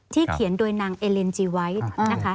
ที่เขียนโดยนางเอเลนจีไวท์